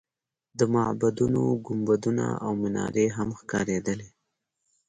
د معبدونو ګنبدونه او منارې هم ښکارېدلې.